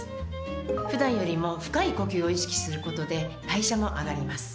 普段よりも深い呼吸を意識することで代謝も上がります。